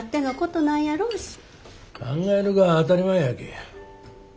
考えるが当たり前やき。